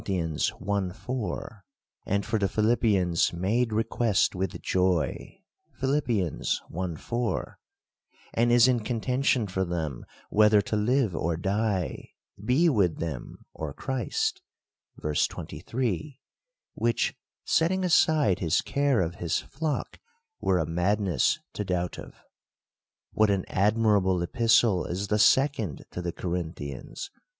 i. 4) ; and for the Philippians made request with joy (Phil. i. 4) ; and is in contention for them whether to live or die, be with them or Christ (ver. 23) ; which, setting aside his care of his flock, were a madness to THE COUNTRY PARSON. 19 doubt of. What an admirable epistle is the second to the Corinthians!